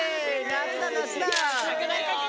夏だ夏だ！